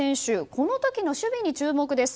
この時の守備に注目です。